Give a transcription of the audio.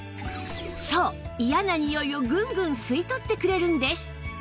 そう嫌なニオイをぐんぐん吸い取ってくれるんです！